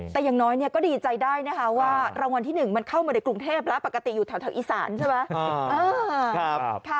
แต่อย่างน้อยก็ดีใจได้นะคะว่ารางวัลที่๑มันเข้ามาในกรุงเทพแล้วปกติอยู่แถวอีสานใช่ไหม